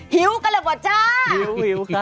หิวกันละบอร์จาหิวค่ะ